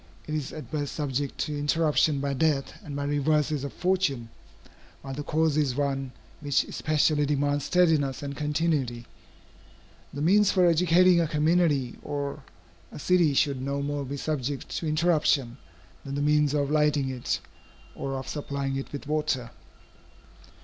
It is at best subject to interruption by death and by reverses of fortune, while the cause is one which especially demands steadiness and continuity. The means for educating a community or a city should no more be subject to interruption, than the means of lighting it, or of supplying it with water.